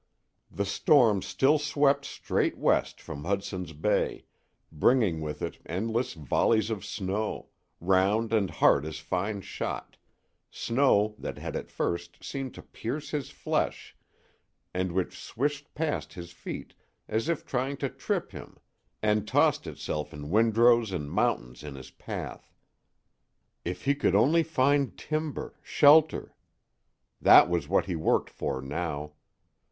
The storm still swept straight west from Hudson's Bay, bringing with it endless volleys of snow, round and hard as fine shot, snow that had at first seemed to pierce his flesh and which swished past his feet as if trying to trip him and tossed itself in windrows and mountains in his path. If he could only find timber, shelter! That was what he worked for now.